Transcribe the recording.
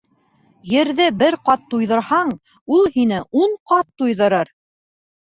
Ерҙе бер ҡат туйҙырһаң, ул һине ун ҡат туйҙырыр.